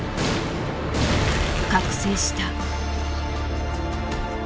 覚醒した。